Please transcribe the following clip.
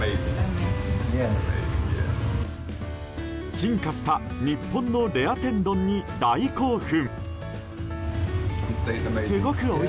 進化した日本のレア天丼に大興奮。